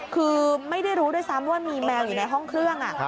คือไม่ได้รู้ด้วยซ้ำว่ามีแมวอยู่ในห้องเครื่อง